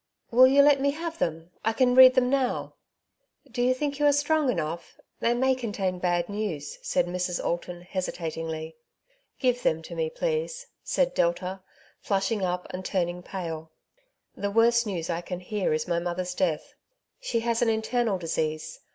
Will you let me have them ? I can read them nowJ " Do you think you are strong enough ? They may contain bad news/' said Mrs. Alton hesi tatingly. " Give them to me, please," said Delta, flashing up, and turning pale. " The worst news I can hear is my mother's death. She has an internal disease.